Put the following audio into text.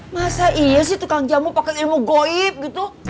masa iya sih tukang jamu pake ilmu goib gitu